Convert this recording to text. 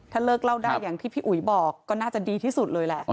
ถ้าเลิกเล่าได้อย่างที่พี่อุ๋ยบอกก็น่าจะดีที่สุดเลยแหละ